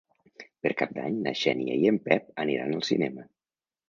Per Cap d'Any na Xènia i en Pep aniran al cinema.